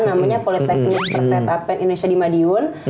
namanya politeknik perket ape indonesia di madiun